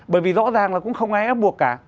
bởi vì rõ ràng là cũng không ai ép buộc cả